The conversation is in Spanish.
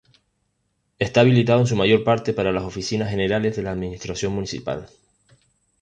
Está habilitado en su mayor parte para las oficinas generales de la administración municipal.